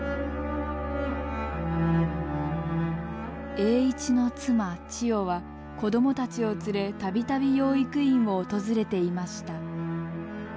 栄一の妻千代は子供たちを連れ度々養育院を訪れていました。